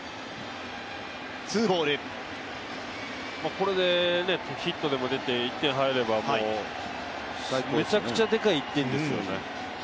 これでヒットでも出て、１点入れば、めちゃくちゃでかい１点ですよね。